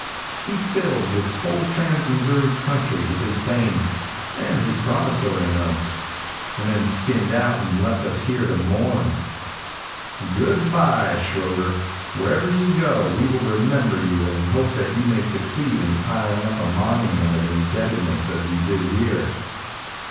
He filled this whole trans Missouri country with his fame, and his promissory notes, and then skinned out and left us here to mourn. Good bye, Shroeder. Wherever you go, we will remember you and hope that you may succeed in piling up a monument of indebtedness as you did here.